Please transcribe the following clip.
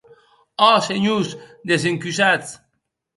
Ò, senhors, desencusatz!